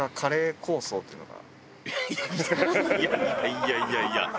いやいやいや。